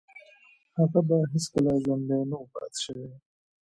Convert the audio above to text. هغه به هیڅکله ژوندی نه و پاتې شوی